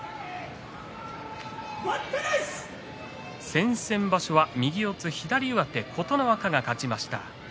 先々場所は右四つ左上手で琴ノ若が勝ちました。